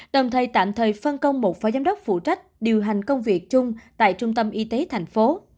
đồng thời tạm thời phân công một phó giám đốc phụ trách điều hành công việc chung tại trung tâm y tế thành phố